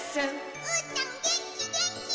うーたんげんきげんき！